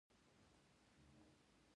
زموږ حوصله ختمه شوه او شخړه مو ورسره پیل کړه